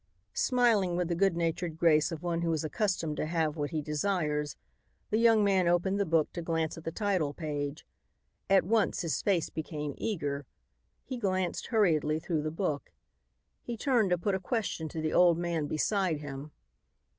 Smiling with the good natured grace of one who is accustomed to have what he desires, the young man opened the book to glance at the title page. At once his face became eager. He glanced hurriedly through the book. He turned to put a question to the old man beside him.